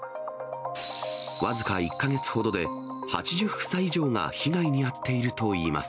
僅か１か月ほどで、８０房以上が被害に遭っているといいます。